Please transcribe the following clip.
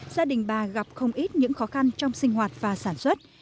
gia đình bà gặp không ít những khó khăn trong sinh hoạt và sản xuất